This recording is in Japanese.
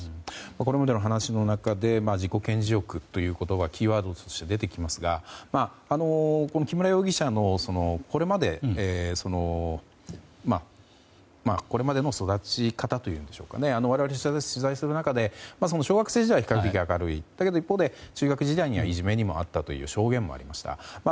これまでの話の中で自己顕示欲という言葉がキーワードとして出てきましたが木村容疑者のこれまでの育ち方というんでしょうか我々、取材する中で小学生時代は比較的明るいだけど一方で中学時代にはいじめに遭ったという証言もありました。